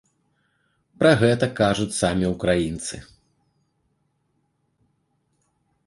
Пра гэта кажуць самі ўкраінцы.